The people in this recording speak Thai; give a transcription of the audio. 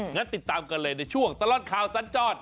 งั้นติดตามกันเลยในช่วงตลอดข่าวสัญจร